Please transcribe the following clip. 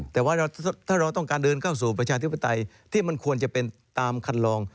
แต่ว่าถ้าเราต้องการเดินเข้าสู่ประชาธิปไตยที่มันควรจะเป็นตามคันลอง